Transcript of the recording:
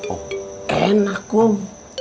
oh enak kum